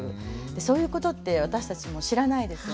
そういうことって私たちも知らないですよね。